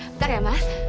bentar ya mas